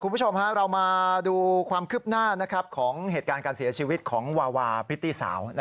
คุณผู้ชมเรามาดูความคืบหน้าของเหตุการณ์การเสียชีวิตของวาวาพริตตี้สาว